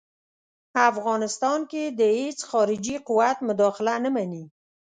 افغانستان کې د هیڅ خارجي قوت مداخله نه مني.